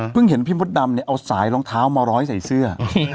เห็นพี่มดดำเนี่ยเอาสายรองเท้ามาร้อยใส่เสื้อ